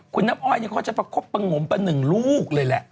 คุณน้ำอ้อยก็จะมาคบประงมประหนึ่งลูกเลยแหละ